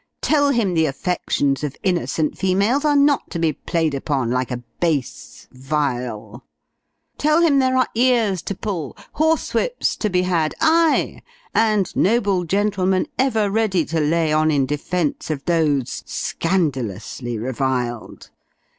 Tell him the affections of innocent females are not to be played upon like a base vile! Tell him there are ears to pull, horsewhips to be had, ay, and noble gentlemen ever ready to lay on in defence of those scandalously reviled!